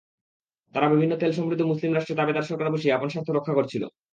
তারা বিভিন্ন তেলসমৃদ্ধ মুসলিম রাষ্ট্রে তাঁবেদার সরকার বসিয়ে আপন স্বার্থ রক্ষা করছিল।